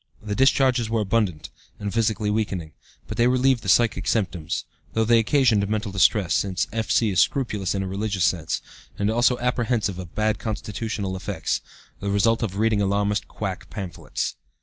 The discharges were abundant and physically weakening, but they relieved the psychic symptoms, though they occasioned mental distress, since F.C. is scrupulous in a religious sense, and also apprehensive of bad constitutional effects, the result of reading alarmist quack pamphlets.